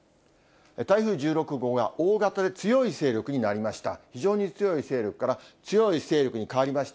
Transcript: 台風１６号が大型で強い勢力になりました。